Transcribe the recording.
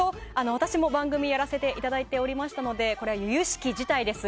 私も番組やらせていただいておりましたのでこれは由々しき事態です。